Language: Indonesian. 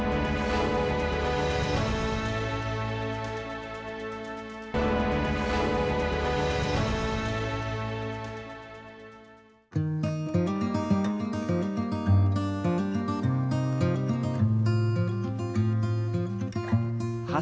oke bagus teman teman